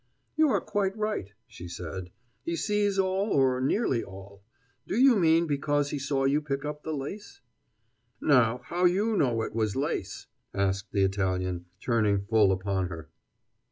"You are quite right," she said. "He sees all, or nearly all. Do you mean because he saw you pick up the lace?" "Now how you know it was lace?" asked the Italian, turning full upon her.